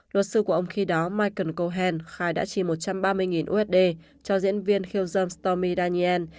luật sư của ông khi đó michael cohen khai đã chi một trăm ba mươi usd cho diễn viên khiêu dâm stomy daniel